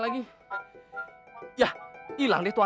tapi sudah keselamatan inidown